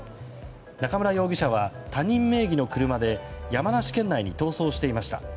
中村容疑者は他人名義の車で山梨県内に逃走していました。